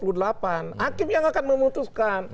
hakim yang akan memutuskan